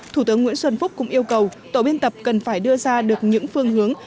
thủ tướng nguyễn xuân phúc cũng yêu cầu tổ biên tập cần phải đưa ra được những phương hướng